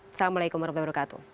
assalamualaikum wr wb